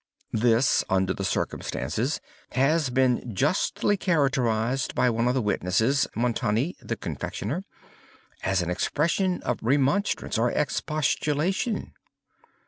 _' This, under the circumstances, has been justly characterized by one of the witnesses (Montani, the confectioner,) as an expression of remonstrance or expostulation.